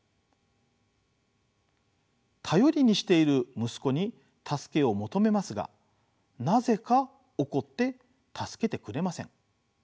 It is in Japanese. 頼りにしている息子に助けを求めますがなぜか怒って助けてくれません。